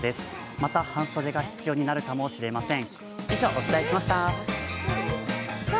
また、半袖が必要になるかもしれません。